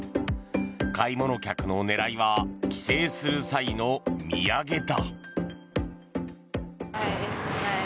買い物客の狙いは帰省する際の土産だ。